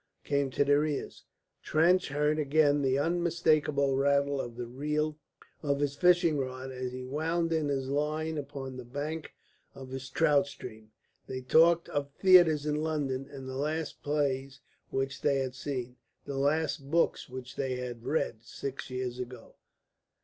came to their ears. Trench heard again the unmistakable rattle of the reel of his fishing rod as he wound in his line upon the bank of his trout stream. They talked of theatres in London, and the last plays which they had seen, the last books which they had read six years ago.